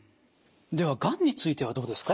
ではがんについてはどうですか？